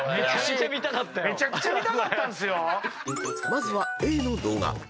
［まずはＡの動画］